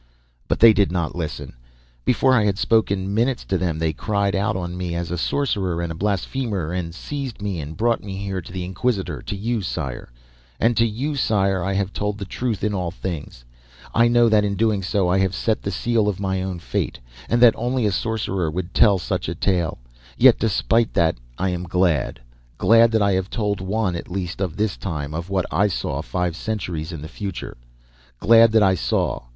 "But they did not listen. Before I had spoken minutes to them they cried out on me as a sorcerer and a blasphemer, and seized me and brought me here to the Inquisitor, to you, sire. And to you, sire, I have told the truth in all things. I know that in doing so I have set the seal of my own fate, and that only a sorcerer would ever tell such a tale, yet despite that I am glad. Glad that I have told one at least of this time of what I saw five centuries in the future. Glad that I saw!